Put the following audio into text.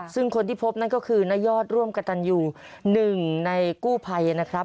ซึ่งคนที่พบนั่นก็คือนายอดร่วมกระตันอยู่หนึ่งในกู้ภัยนะครับ